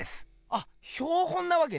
あっ標本なわけね。